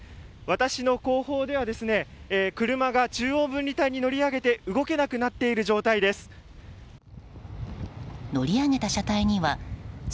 私の後方では車が中央分離帯に乗り上げて動けなくなっている状態です。